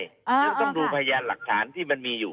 เดี๋ยวต้องดูพยานหลักฐานที่มันมีอยู่